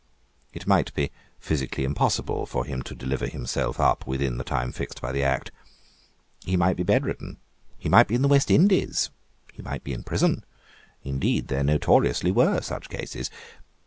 It might be physically impossible for him to deliver himself up within the time fixed by the Act. He might be bedridden. He might be in the West Indies. He might be in prison. Indeed there notoriously were such cases.